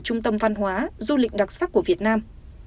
trung tâm văn hóa du lịch đặc sắc của việt nam